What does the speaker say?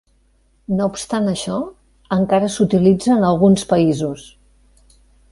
No obstant això encara s'utilitza en alguns països.